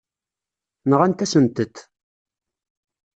Nɣant-asent-t.